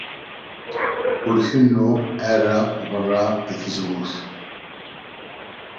Ur kennu ara beṛṛa i tzewwut.